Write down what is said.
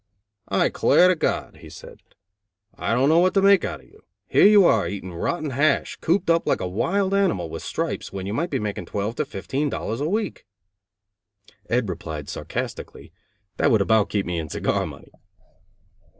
"I 'clare to God," he said, "I don't know what to make out of you. Here you are eating rotten hash, cooped up like a wild animal, with stripes, when you might be making twelve to fifteen dollars a week." Ed replied, sarcastically, "That would about keep me in cigar money."